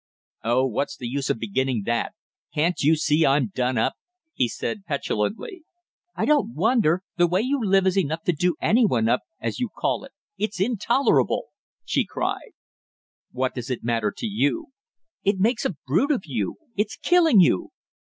"Oh, what's the use of beginning that; can't you see I'm done up?" he said petulantly. "I don't wonder; the way you live is enough to do any one up, as you call it; it's intolerable!" she cried. "What does it matter to you?" "It makes a brute of you; it's killing you!"